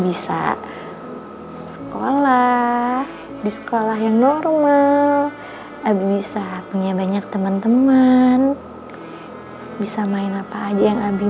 bisa sekolah di sekolah yang normal abi bisa punya banyak teman teman bisa main apa aja yang abing